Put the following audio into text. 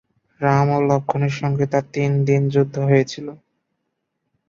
রাম ও লক্ষ্মণের সঙ্গে তার তিন দিন যুদ্ধ হয়েছিল।